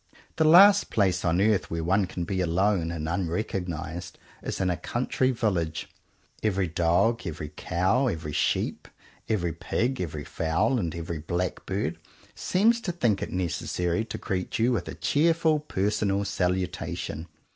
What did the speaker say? The last place on earth where one can be alone and unrecognized is in a country village. Every dog, every cow, every sheep, every pig, every fowl, and every blackbird, seems to think it necessary to greet you with a cheerful personal salutation.